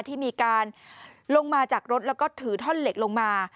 ที่มีการลงมาจากรถแล้วก็ถือท่อนเหล็กลงมา